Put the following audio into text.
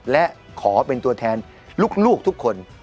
และขอเป็นตัวแทนลูกทุกคน